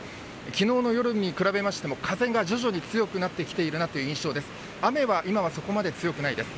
昨日の夜に比べましても風が徐々に強くなっているなという印象です。